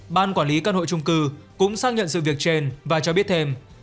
ban quản lý căn hộ trung cư cũng xác nhận sự việc trên và cho biết thêm